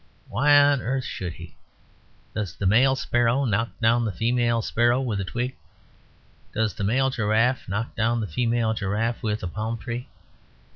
Why on earth should he? Does the male sparrow knock down the female sparrow with a twig? Does the male giraffe knock down the female giraffe with a palm tree?